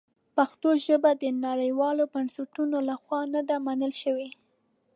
پښتو ژبه د نړیوالو بنسټونو لخوا نه ده منل شوې.